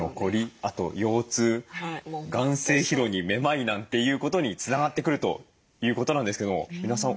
あと腰痛眼精疲労にめまいなんていうことにつながってくるということなんですけども箕輪さんお心当たりなどどうですか？